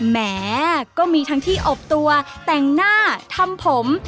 แหมก็มีทั้งที่อบตัวแต่งหน้าทำผม